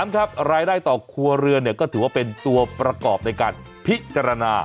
ครับรายได้ต่อครัวเรือนก็ถือว่าเป็นตัวประกอบในการพิจารณา